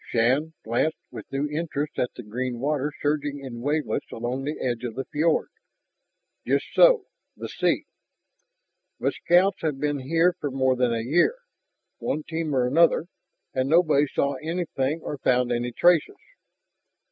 Shann glanced with new interest at the green water surging in wavelets along the edge of the fiord. "Just so, the sea!" "But scouts have been here for more than a year, one team or another. And nobody saw anything or found any traces."